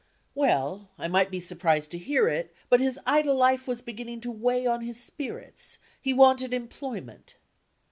Well, I might be surprised to hear it, but his idle life was beginning to weigh on his spirits; he wanted employment.